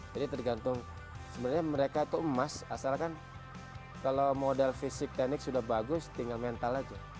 jadi tergantung sebenarnya mereka tuh emas asalkan kalau model fisik teknik sudah bagus tinggal mental aja